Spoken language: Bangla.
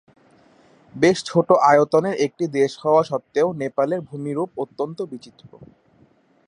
বেশ ছোট আয়তনের একটি দেশ হওয়া সত্ত্বেও নেপালের ভূমিরূপ অত্যন্ত বিচিত্র।